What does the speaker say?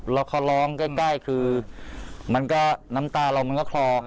เราขอร้องใกล้คือน้ำตาเรามันก็คลอก